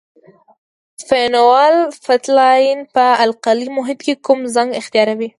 فینول فتالین په القلي محیط کې کوم رنګ اختیاروي؟